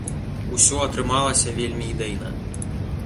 Усё атрымалася вельмі ідэйна!